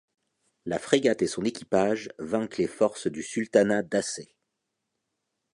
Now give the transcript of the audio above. La frégate et son équipage vainquent les forces du sultanat d'Aceh.